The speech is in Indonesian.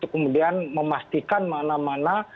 kemudian memastikan mana mana